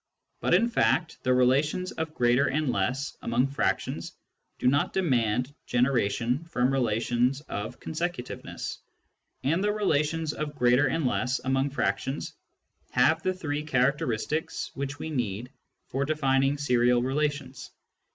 But in fact the relations of greater and less among fractions do not demand generation from relations of consecutiveness, and the relations of greater and less among fractions have the three characteristics which we need for defining serial relations.